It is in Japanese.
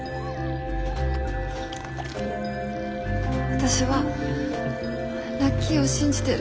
私はラッキーを信じてる。